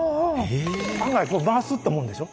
案外回すって思うでしょ。